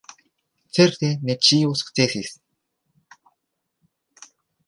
Certe ne ĉio sukcesis.